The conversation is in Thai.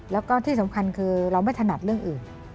แล้วก็ที่สำคัญคือเราไม่ถนัดเรื่องอื่น